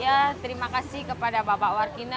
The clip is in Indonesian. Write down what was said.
ya terima kasih kepada bapak warkina